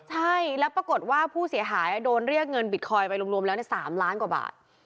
ใช่แล้วปรากฏว่าผู้เสียหายโดนเรียกเงินบิตคอยน์ไปรวมแล้ว๓ล้านกว่าบาท